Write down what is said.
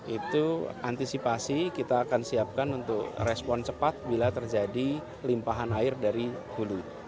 itu antisipasi kita akan siapkan untuk respon cepat bila terjadi limpahan air dari hulu